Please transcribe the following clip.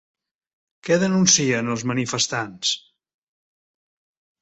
Què denuncien els manifestants?